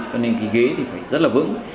cho nên cái ghế thì phải rất là vững